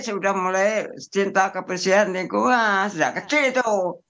sudah mulai cinta kebersihan lingkungan sejak kecil itu